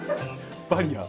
バリア？